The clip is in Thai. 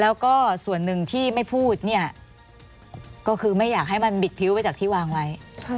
แล้วก็ส่วนหนึ่งที่ไม่พูดเนี่ยก็คือไม่อยากให้มันบิดพิ้วไปจากที่วางไว้